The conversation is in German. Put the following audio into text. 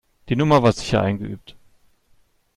Die Nummer war sicher eingeübt.